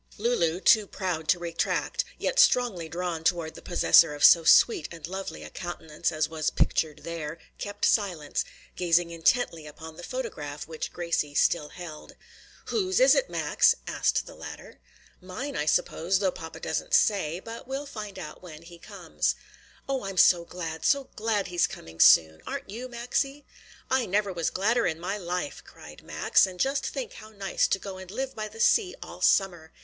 Lulu, too proud to retract, yet strongly drawn toward the possessor of so sweet and lovely a countenance as was pictured there, kept silence, gazing intently upon the photograph which Gracie still held. "Whose is it, Max?" asked the latter. "Mine I suppose, though papa doesn't say; but we'll find out when he comes." "Oh, I'm so glad, so glad he's coming soon! Aren't you, Maxie?" "I never was gladder in my life!" cried Max. "And just think how nice to go and live by the sea all summer!